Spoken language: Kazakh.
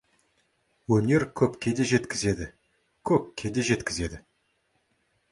Өнер көпке де жеткізеді, көкке де жеткізеді.